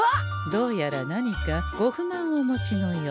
どうやら何かご不満をお持ちのよう。